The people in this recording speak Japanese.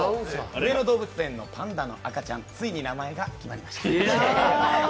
上野動物園のパンダの赤ちゃん、ついに名前が決まりました。